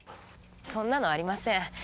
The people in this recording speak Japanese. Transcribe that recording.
そんなのありません。